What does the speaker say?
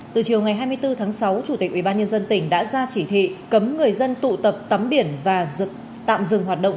từ chiều ngày hai mươi bốn tháng sáu chủ tịch ubnd tỉnh đã ra chỉ thị cấm người dân tụ tập tắm biển và tạm dừng hoạt động